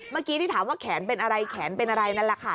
เมื่อกี้ที่ถามว่าแขนเป็นอะไรแขนเป็นอะไรนั่นแหละค่ะ